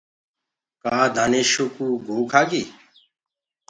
ڪآ دآنشو ڪوُ گو کآگي۔